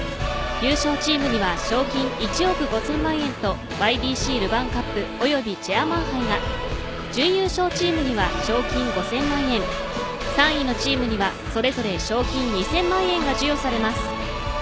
優勝チームには賞金１億５０００万円とＹＢＣルヴァンカップ及びチェアマン杯が準優勝チームには賞金５０００万円３位のチームにはそれぞれ賞金２０００万円が授与されます。